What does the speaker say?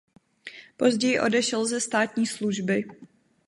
Později odešel ze státní služby.